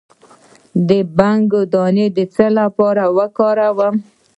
د بنګ دانه د څه لپاره وکاروم؟